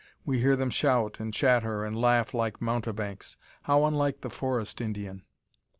We hear them shout, and chatter, and laugh like mountebanks. How unlike the forest Indian!